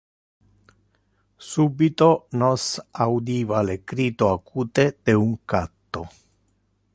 Subito nos audiva le crito acute de un catto.